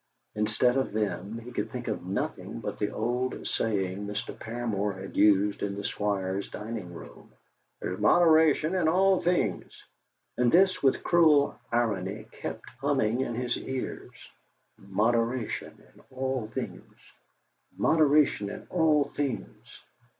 Instead of them he could think of nothing but the old saying Mr. Paramor had used in the Squire's dining room, "There is moderation in all things," and this with cruel irony kept humming in his ears. "Moderation in all things moderation in all things!"